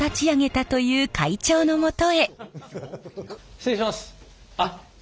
失礼いたします。